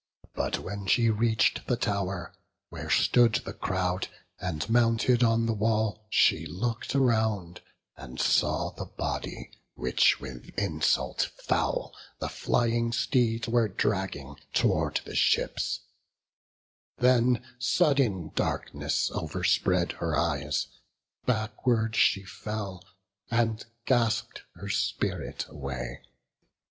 But when she reach'd the tow'r, where stood the crowd, And mounted on the wall, she look'd around, And saw the body which with insult foul The flying steeds were dragging towards the ships; Then sudden darkness overspread her eyes; Backward she fell, and gasp'd her spirit away.